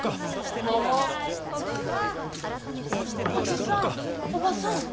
おじさんおばさん。